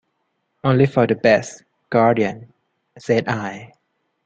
"Only for the best, guardian," said I.